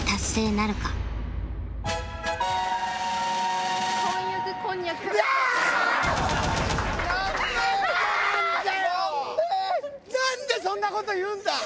なんでそんな事言うんだ。